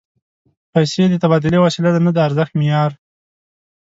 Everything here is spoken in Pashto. پیسې د تبادلې وسیله ده، نه د ارزښت معیار